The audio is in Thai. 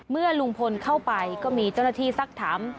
เมื่อลุงพลเข้าไปก็มีเจ้าหน้าที่สักถาม